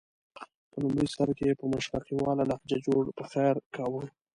په لومړي سر کې یې په مشرقیواله لهجه جوړ پخیر کاوه.